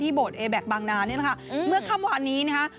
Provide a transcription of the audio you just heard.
โบสเอแบ็คบางนานี่แหละค่ะเมื่อค่ำวานนี้นะคะ